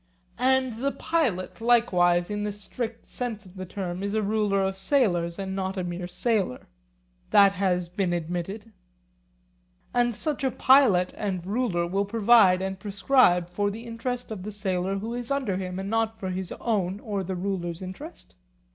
And the pilot likewise, in the strict sense of the term, is a ruler of sailors and not a mere sailor? That has been admitted. And such a pilot and ruler will provide and prescribe for the interest of the sailor who is under him, and not for his own or the ruler's interest?